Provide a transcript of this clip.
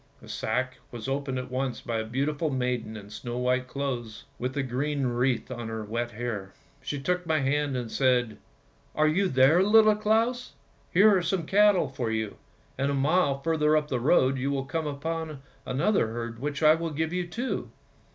The sack was opened at once by a beautiful maiden in snow white clothes with a green wreath on her wet hair; she took my hand and said, ' Are you there, Little Claus ? Here are some cattle for you, and a mile further up the road you will come upon another herd, which I will give you too!